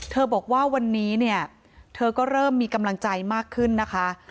บอกว่าวันนี้เนี่ยเธอก็เริ่มมีกำลังใจมากขึ้นนะคะ